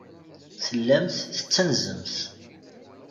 Tellamt tettanzemt.